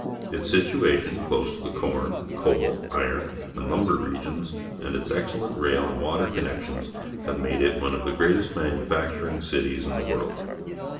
Its situation, close to the corn, coal, iron, and lumber regions, and its excellent rail and water connections have made it one of the greatest manufacturing cities in the world.